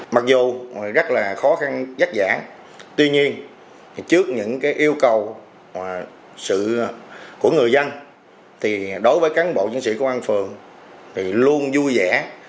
mặc dù rất là khó khăn rắc rã tuy nhiên trước những cái yêu cầu và sự của người dân thì đối với cán bộ chiến sĩ công an phường thì luôn vui vẻ